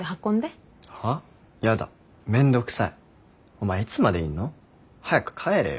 お前いつまでいんの？早く帰れよ。